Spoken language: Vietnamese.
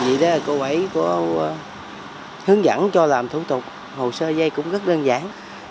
gì đó là cô bảy có hướng dẫn cho làm thủ tục hồ sơ dây cũng rất đơn giản